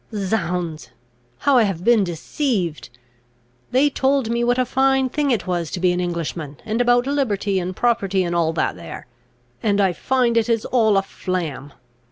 "Zounds, how I have been deceived! They told me what a fine thing it was to be an Englishman, and about liberty and property, and all that there; and I find it is all a flam.